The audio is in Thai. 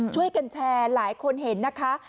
ช่วยกันแชร์หลายคนเห็นนะคะ